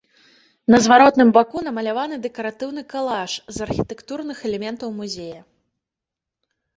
На зваротным баку намаляваны дэкаратыўны калаж з архітэктурных элементаў музея.